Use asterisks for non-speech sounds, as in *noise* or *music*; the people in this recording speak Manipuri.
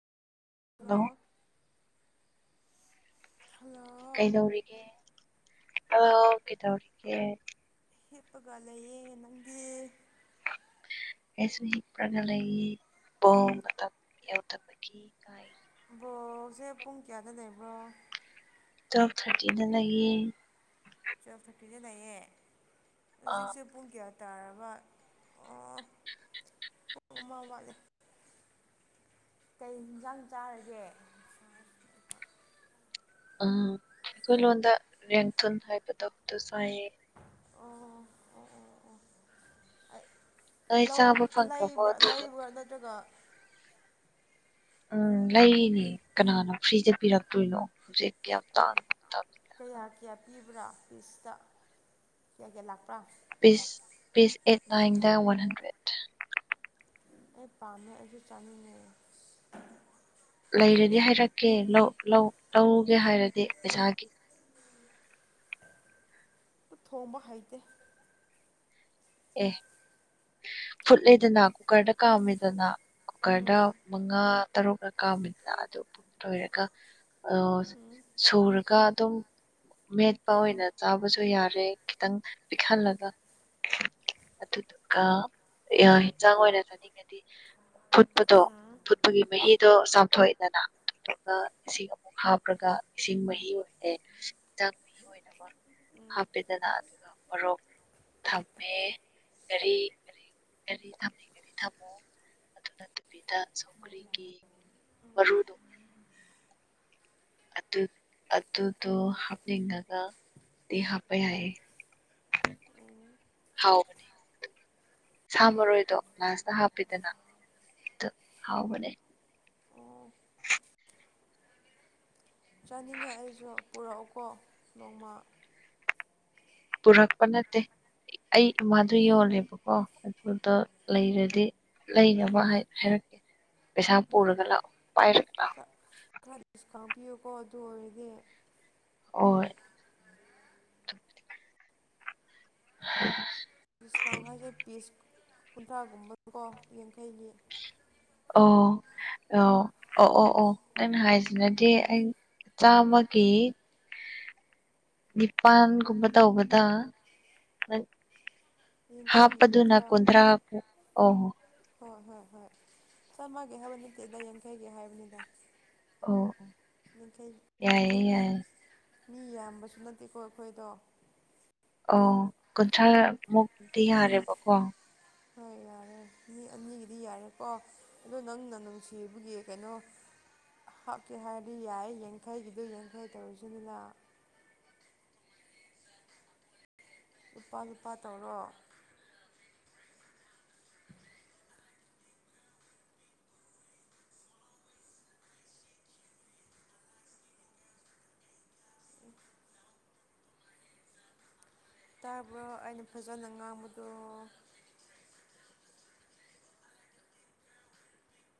ꯍꯂꯣ ꯍꯜꯂꯣ ꯍꯜꯂꯣ ꯀꯩꯗꯧꯔꯤꯒꯦ ꯑ ꯀꯩꯗꯧꯔꯤꯒꯦ ꯏ ꯄꯒꯂꯌꯦ ꯅꯪꯗꯤ ꯀꯁꯨ ꯍꯄ꯭ꯔꯒ ꯂꯩ ꯑꯦꯗ ꯀ ꯕ꯭ꯔꯣꯁꯦ ꯄꯨꯡ ꯀꯌꯥꯗ ꯂꯩꯕ꯭ꯔꯣ ꯇꯞ ꯊꯥꯔꯇꯤꯅ ꯂ ꯆꯥ ꯐ꯭ꯔꯦꯛꯀ꯭ꯔꯤꯖ ꯑꯥ ꯂꯩꯌꯦꯦꯖꯤꯁꯨ ꯡꯒꯌꯥ ꯇꯥꯔꯕ ꯄꯨꯡ ꯑꯃ ꯋꯥꯠꯂꯤꯦ ꯀꯩ ꯌꯦꯟꯁꯥꯡ ꯆꯥꯔꯒꯦ ꯎ ꯑꯩꯈꯣꯏ ꯂꯣꯟꯗ ꯔꯦꯡꯊꯟ ꯍꯥꯏꯕꯗꯣꯛꯇ ꯁꯥꯏ ꯑꯣ ꯑꯣ ꯑꯣ ꯅꯣꯏ ꯑꯣ ꯆꯥꯕ ꯐꯪꯈ꯭ꯔꯕꯣ ꯕ ꯑꯗꯨꯗꯣ ꯂꯩꯕ꯭ꯔꯥ ꯅꯠꯇ꯭ꯔꯒ ꯎꯝ ꯂꯩꯔꯤꯅꯦ ꯀꯅꯥꯅꯣ ꯐ꯭ꯔꯤꯗ ꯄꯤꯔꯛꯇꯣꯏꯅꯣ ꯍꯧꯖꯤꯛ ꯌꯥ ꯇ ꯐꯕ꯭ꯔꯥ ꯐꯤꯁꯇ ꯀꯌꯥ ꯀꯌꯥ ꯂꯥꯛꯄ꯭ꯔꯥ ꯄꯤꯁ ꯄꯤꯁ ꯑꯦꯠ ꯅꯥꯏꯟꯗ ꯋꯥꯟ ꯍꯟꯗ꯭ꯔꯦꯠ ꯑꯩ ꯄꯥꯝꯃꯦ ꯑꯩꯁꯨ ꯆꯥꯃꯤꯟꯅꯩ *unintelligible* ꯂꯩꯔꯗꯤ ꯍꯥꯏꯔꯛꯀꯦ ꯂꯧ ꯂꯧꯒꯦ ꯍꯥꯏꯔꯗꯤ ꯄꯩꯁꯥꯒꯤ ꯊꯣꯡꯝꯕ ꯍꯩꯇꯦ ꯑꯦ ꯐꯨꯠ ꯂꯩꯗꯅ ꯀꯨꯀꯔꯗ ꯀꯥꯝꯃꯦꯗꯅ ꯀꯨꯀꯔꯗ ꯃꯉꯥ ꯇꯔꯨꯛꯒ ꯀꯥꯃꯤꯅꯤꯅ ꯑꯗꯨ ꯂꯣꯏꯔꯒ ꯑ ꯁꯨꯔꯒ ꯑꯗꯨꯝ ꯃꯦꯠꯄ ꯑꯣꯏꯅ ꯆꯥꯕꯁꯨ ꯌꯥꯔꯦ ꯈꯤꯇꯪ ꯄꯤꯛꯍꯜꯂꯒ ꯑꯗꯨꯗꯨꯒ ꯌꯦꯟꯁꯥꯡ ꯑꯣꯏꯅ ꯆꯠꯅꯤꯡꯉꯗꯤ ꯐꯨꯠꯄꯗꯣ ꯐꯨꯠꯄꯒꯤ ꯃꯍꯤꯗꯣ ꯆꯥꯝꯊꯣꯛꯑꯦꯗꯅ ꯏꯁꯤꯡ ꯑꯃꯨꯛ ꯍꯥꯞꯄ꯭ꯔꯒ ꯏꯁꯤꯡ ꯃꯍꯤ ꯑꯣꯏꯅꯔꯦ ꯌꯦꯟꯁꯥꯡ ꯃꯍꯤ ꯑꯣꯏꯅꯕ ꯍꯥꯞꯄꯤꯦꯗꯅ ꯑꯗꯨꯒ ꯄꯔꯣꯛ ꯊ ꯃ ꯀꯔꯤꯔꯤꯔꯤ ꯊꯔꯤ ꯊꯝꯃꯣ ꯑꯗꯨ ꯅꯠꯇꯕꯤꯗ ꯁꯧꯒ꯭ꯔꯤꯒꯤ ꯃꯔꯨꯗꯣ ꯑꯗꯨꯗꯣ ꯍꯥꯞꯅꯤꯡꯉꯒ ꯇ ꯍꯥꯞꯄꯦꯑ ꯎꯝ ꯍꯥꯎꯕꯅꯤ ꯁꯥ ꯃꯔꯣꯏꯗꯣ ꯍꯥꯎ ꯂꯥꯁꯇ ꯍꯥꯞꯄꯤꯗꯅ ꯍꯥꯎ ꯃꯅꯦ ꯑꯣ ꯆꯥꯅꯤꯡꯉꯦ ꯑꯩꯁꯨ ꯄꯨꯔꯛꯎꯀꯣ ꯅꯣꯡꯃ ꯄꯨꯔꯛ ꯄꯟꯠꯇꯦ ꯑꯩ ꯏꯃꯥꯗꯣ ꯌꯣꯜꯂꯦꯕꯀꯣ ꯑꯗꯨꯗ ꯂꯩꯔꯗꯤ ꯂꯩꯅꯕ ꯍꯥꯏꯔꯛꯀꯦ ꯄꯩꯁꯥ ꯄꯨꯔꯒ ꯂꯥꯛꯑꯣ ꯄꯥꯏꯔꯒ ꯂꯥꯛꯑꯣ ꯈꯔ ꯗꯤꯁꯀꯥꯎꯝ ꯄꯤꯌꯨꯀꯣ ꯑꯗꯨ ꯑꯣꯏꯔꯗꯤ ꯎ *unintelligible* *unintelligible* ꯗꯤꯁꯀꯥꯎꯟ ꯍꯥꯏꯁꯦ ꯄꯤꯁ ꯀꯨꯟꯊ꯭ꯔꯥꯒꯨꯝꯕꯗꯨꯀꯣ ꯌꯥꯡꯈꯩꯅꯤ ꯑꯣ ꯑꯣ ꯑꯣ ꯑꯣ ꯑꯣ ꯅꯖꯤꯅꯗꯤꯦ ꯑꯩ ꯆꯥꯃꯀꯤ ꯅꯤꯄꯥꯟꯒꯨꯝꯕ ꯇꯧꯕꯗ ꯅꯡ ꯌꯥꯡꯈꯩꯒꯤ ꯍꯥꯞꯄꯗꯨꯅ ꯀꯨꯟꯊ꯭ꯔꯥ ꯀꯨꯟꯗ꯭ꯔꯥ ꯍꯥꯄ ꯑꯣ ꯍꯣꯏ ꯍꯣꯏ ꯍꯣꯏ ꯆꯝꯃꯒꯤ ꯍꯥꯏꯕ ꯅꯠꯇꯦꯗ ꯌꯥꯡꯈꯩꯒꯤ ꯍꯥꯏꯕꯅꯤꯗ ꯑꯣꯑꯣ ꯌꯥꯡꯈꯩ ꯌꯥꯏꯌꯦ ꯌꯥꯡꯈꯩꯒꯤ ꯌꯥꯏ ꯃꯤ ꯌꯥꯝꯕꯁꯨ ꯅꯠꯇꯦꯀꯣ ꯑꯩꯈꯣꯏꯗꯣ ꯑꯣ ꯀꯨꯟꯊ꯭ꯔꯥ ꯃꯨꯛꯗꯤ ꯌꯥꯔꯦꯕꯀꯣ ꯍꯣꯏ ꯌꯥꯢ ꯃꯤ ꯑꯅꯤꯒꯤꯗꯤ ꯌꯥꯔꯦꯀꯣ ꯑꯗꯣ ꯅꯪꯅ ꯅꯨꯡꯁꯤꯕꯒꯤ ꯀꯩꯅꯣ ꯍꯥꯞꯀꯦ ꯍꯥꯏꯔꯗꯤ ꯌꯥꯏ ꯌꯥꯡꯈꯩꯒꯤꯗꯨ ꯌꯥꯡꯈꯩ ꯇꯧꯔꯁꯨꯅ ꯂꯨꯄꯥ ꯂꯨꯄꯥ ꯇꯧꯔꯣ ꯇꯥꯕꯔꯣ ꯑꯩꯅ ꯐꯖꯅ ꯉꯥꯡꯕꯗꯣ